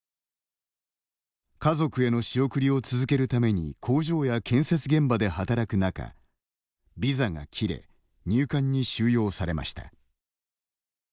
家族への仕送りを続けるために工場や建設現場で働く中ビザが切れ入管に収容されました。